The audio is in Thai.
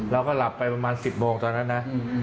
เราก็หลับไปประมาณ๑๐โมงตอนนั้นนะ